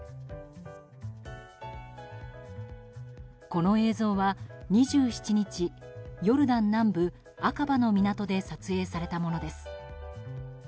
この映像は２７日ヨルダン南部アカバの港で撮影されたものです。